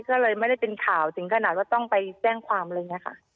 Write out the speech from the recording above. ก็เลยไม่ได้เป็นข่าวถึงขนาดว่าต้องไปแจ้งความอะไรอย่างนี้ค่ะ